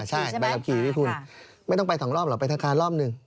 ใช่ใบขับขี่นี่คุณไม่ต้องไปสองรอบหรอกไปธนาคารรอบหนึ่ง